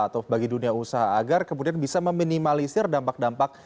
atau bagi dunia usaha agar kemudian bisa meminimalisir dampak dampak